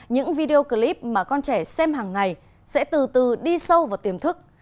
những video clip mà con trẻ xem hàng ngày sẽ từ từ đi sâu vào tiềm thức